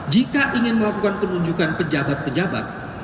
jika ingin melakukan penunjukan pejabat pejabat